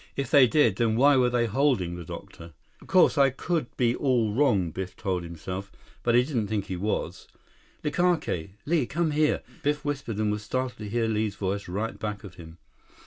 If they did, then why were they holding the doctor? "Course, I could be all wrong," Biff told himself. But he didn't think he was. "Likake. Li. Come here," Biff whispered and was startled to hear Li's voice right back of him.